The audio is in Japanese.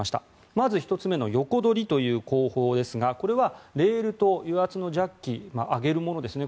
まず１つ目の横取りという工法ですがこれはレールと油圧のジャッキ上げるものですね